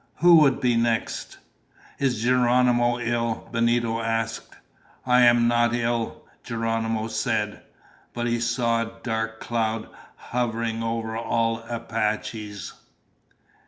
Who would be next? "Is Geronimo ill?" Benito asked. "I am not ill," Geronimo said. But he saw a dark cloud hovering over all Apaches.